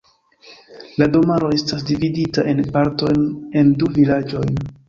La domaro estas dividita en partojn en du vilaĝojn.